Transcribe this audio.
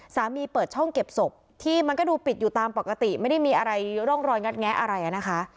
เปิดช่องเก็บศพที่มันก็ดูปิดอยู่ตามปกติไม่ได้มีอะไรร่องรอยงัดแงะอะไรนะคะ